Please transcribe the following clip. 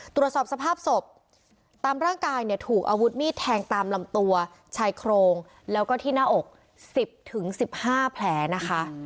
ตรวจสอบสภาพศพตามร่างกายเนี่ยถูกอาวุธมีดแทงตามลำตัวชายโครงแล้วก็ที่หน้าอก๑๐๑๕แผลนะคะ